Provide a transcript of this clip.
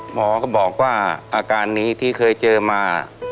หมอก็บอกว่าอาการนี้ที่เคยเจอมา